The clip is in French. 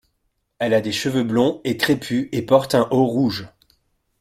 Elle a des cheveux blonds et crépus et porte un haut rouge.